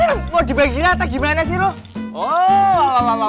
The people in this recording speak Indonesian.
ini kan mau dibagi rata gimana sih lo